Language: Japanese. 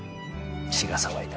血が騒いだ。